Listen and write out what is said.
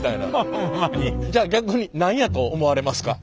じゃあ逆に何やと思われますか？